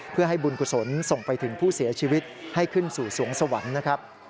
เพื่อให้บุญกุศลส่งไปถึงผู้เสียชีวิตให้ขึ้นสู่สวงสวรรค์นะครับ